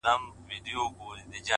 لږه توده سومه زه!